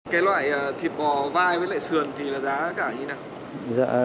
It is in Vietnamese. cái loại thịt bò vai với lại sườn thì là giá cả như thế nào